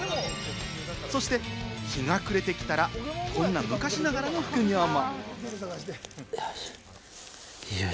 そして日が暮れてきたら、こんな昔ながらの副業も。